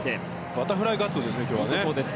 バタフライガツオですね今日は。